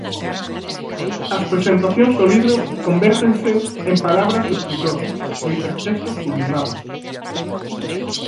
As presentacións do libro convértense, en palabras do escritor, no hipertexto sublimado.